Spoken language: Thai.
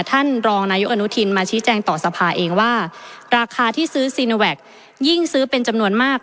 ท่านรองนายกอนุทินมาชี้แจงต่อสภาเองว่าราคาที่ซื้อซีโนแวคยิ่งซื้อเป็นจำนวนมาก